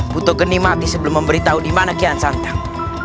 buta genni mati sebelum memberitahu dimana kiyasantang